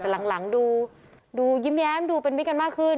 แต่หลังดูยิ้มแย้มดูเป็นมิตรกันมากขึ้น